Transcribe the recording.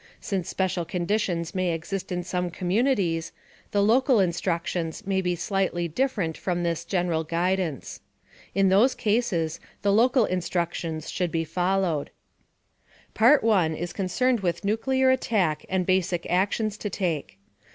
Since special conditions may exist in some communities, the local instructions may be slightly different from this general guidance. In those cases, the local instructions should be followed. Part I (pages 3 68) is concerned with nuclear attack and basic actions to take.